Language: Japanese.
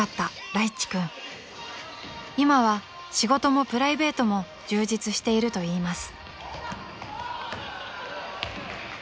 ［今は仕事もプライベートも充実しているといいます］